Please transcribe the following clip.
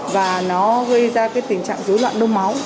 và nó gây ra cái tình trạng dối loạn đông máu